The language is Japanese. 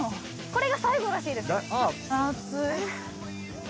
これが最後らしいです。